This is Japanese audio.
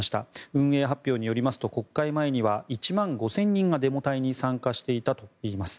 運営発表によりますと国会前には１万５０００人がデモ隊に参加していたといいます。